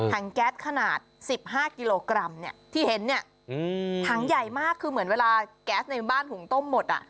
แก๊สขนาด๑๕กิโลกรัมเนี่ยที่เห็นเนี่ยถังใหญ่มากคือเหมือนเวลาแก๊สในบ้านหุงต้มหมดอ่ะ